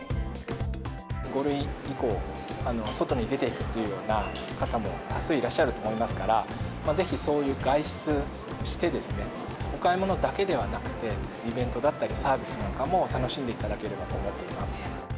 ５類以降、外に出ていくっていうような方も多数いらっしゃると思いますから、ぜひそういう外出してですね、お買い物だけではなくって、イベントだったり、サービスなんかも楽しんでいただければと思います。